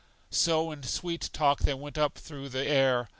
So in sweet talk they went up through the air.